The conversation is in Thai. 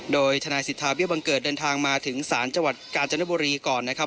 โดยทนายสิทธาเบี้ยบังเกิดเดินทางมาถึงศาลจังหวัดกาญจนบุรีก่อนนะครับ